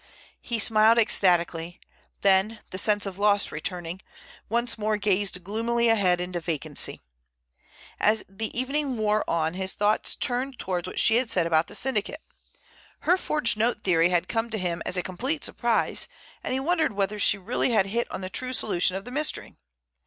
He smiled ecstatically, then, the sense of loss returning, once more gazed gloomily ahead into vacancy. As the evening wore on his thoughts turned towards what she had said about the syndicate. Her forged note theory had come to him as a complete surprise, and he wondered whether she really had hit on the true solution of the mystery.